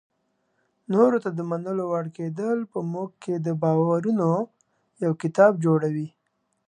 نورو ته د منلو وړ کېدل په موږ کې د باورونو یو کتاب جوړوي.